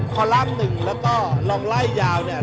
พอลาบหนึ่งแล้วก็ลองไล่ยาวเนี่ย